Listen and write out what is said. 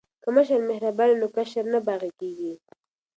که مشر مهربان وي نو کشر نه باغی کیږي.